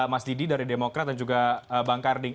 mas didi dari demokrat dan juga bang karding